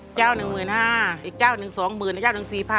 เเจ้าหนึ่ง๑๕อีกเเจ้า๑๒หมื่นเเจ้าหนึ่ง๔๐๐๐